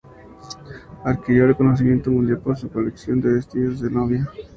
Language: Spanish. Adquirió reconocimiento mundial por su colección de vestidos de novia.